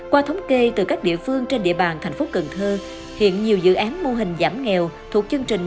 qua thống kê từ các địa phương trên địa bàn thành phố cần thơ hiện nhiều dự án mô hình giảm nghèo thuộc chương trình